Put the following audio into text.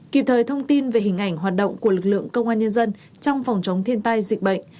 kịp thời thông tin về hình ảnh hoạt động của lực lượng công an nhân dân trong phòng chống thiên tai dịch bệnh